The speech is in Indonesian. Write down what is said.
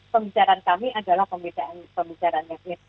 pembicaraan kami adalah pembicaraan yang itu